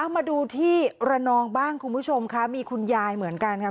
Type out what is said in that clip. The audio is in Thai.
มาดูที่ระนองบ้างคุณผู้ชมค่ะมีคุณยายเหมือนกันค่ะ